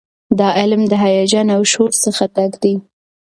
دا علم د هیجان او شور څخه ډک دی.